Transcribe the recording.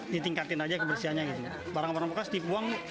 ditingkatin aja kebersihannya gitu barang barang bekas dibuang